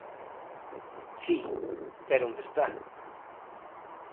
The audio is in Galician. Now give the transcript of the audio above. Si, pero onde está?